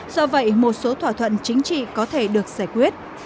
do vậy một số thỏa thuận chính trị có thể được giải quyết